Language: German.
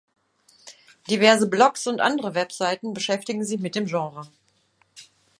Diverse Blogs und andere Webseiten beschäftigten sich mit dem Genre.